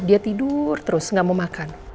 dia tidur terus nggak mau makan